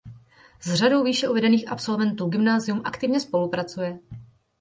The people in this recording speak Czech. S řadou výše uvedených absolventů gymnázium aktivně spolupracuje.